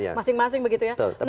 masing masing begitu ya